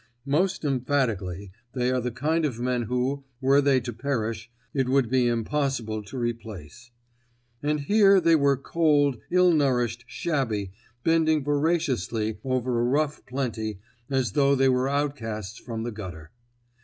Most emphatically they are the kind of men who, were they to perish, it would be impossible to replace. And here they were cold, ill nourished, shabby, bending voraciously over a rough plenty as though they were outcasts from the gutter.